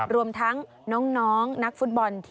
รวมทั้งน้องนักฟุตบอลทีมหมูปาด